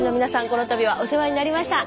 この度はお世話になりました。